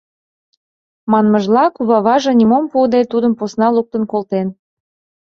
Манмыжла, куваваже нимом пуыде тудым посна луктын колтен.